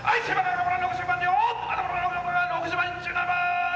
６０万、１７番。